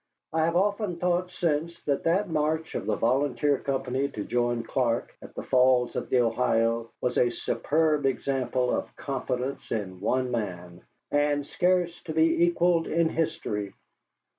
I have often thought since that that march of the volunteer company to join Clark at the Falls of the Ohio was a superb example of confidence in one man, and scarce to be equalled in history.